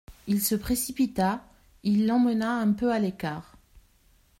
Il se précipita, il l'emmena un peu à l'écart.